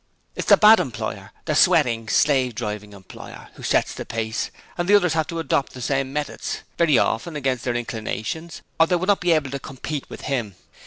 It is the bad employer the sweating, slave driving employer who sets the pace and the others have to adopt the same methods very often against their inclinations or they would not be able to compete with him.